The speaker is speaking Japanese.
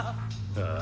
ああ。